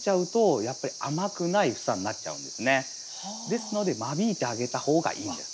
ですので間引いてあげた方がいいんです。